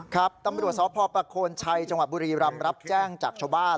ครับตำรวจสพประโคนชัยจังหวัดบุรีรำรับแจ้งจากชาวบ้าน